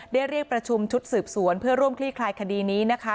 เรียกประชุมชุดสืบสวนเพื่อร่วมคลี่คลายคดีนี้นะคะ